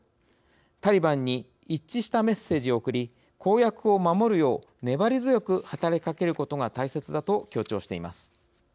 タリバンに一致したメッセージを送り公約を守るよう粘り強く働きかけることが大切だ」と強調しています。